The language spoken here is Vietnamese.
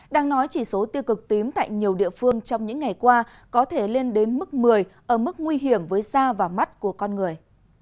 đang nói chỉ số tiêu cực tím tại nhiều địa phương trong những ngày qua có thể lên đến mức một mươi ở mức nguy hiểm với da và mắt của con người